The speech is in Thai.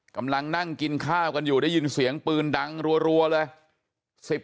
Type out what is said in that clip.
กำลังนั่งกินข้าวกันอยู่ได้ยินเสียงปืนดังรัวเลย